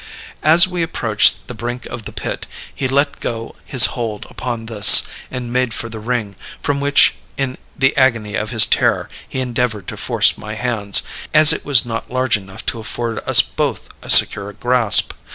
"As we approached the brink of the pit, he let go his hold upon this and made for the ring, from which in the agony of his terror he endeavored to force my hands, as it was not large enough to afford us both a secure grasp.